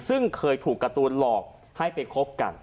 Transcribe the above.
ซึ่งเคยถูกการ์ตูนหลอกให้ไปคบกัน